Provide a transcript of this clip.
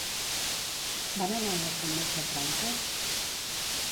Van anar agafant moltes branques?